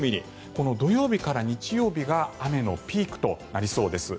この土曜日から日曜日が雨のピークとなりそうです。